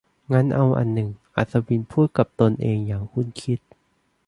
งั้นเอาอันนึง อัศวินพูดกับตนเองอย่างครุ่นคิด